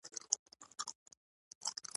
انسان له خوړو څخه لازمه انرژي اخلي.